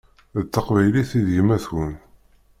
D taqbaylit i d yemma-twen.